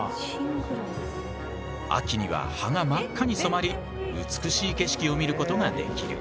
秋には葉が真っ赤に染まり美しい景色を見ることができる。